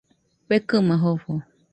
Fekɨma jofo.